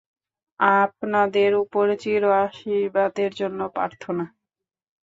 আপনাদের উপর চির আশীর্বাদের জন্য প্রার্থনা।